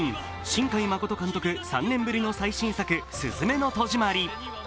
新海誠監督、３年ぶりの最新作、「すずめの戸締まり」。